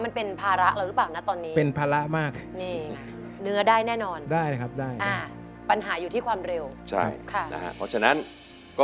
มาเร็วมาก